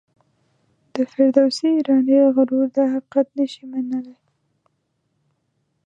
د فردوسي ایرانی غرور دا حقیقت نه شي منلای.